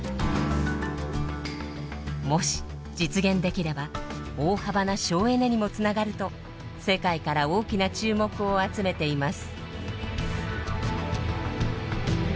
もし実現できれば大幅な省エネにもつながると世界から大きな注目を集めています。